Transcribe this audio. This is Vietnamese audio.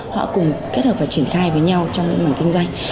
họ cùng kết hợp và triển khai với nhau trong cái mảng kinh doanh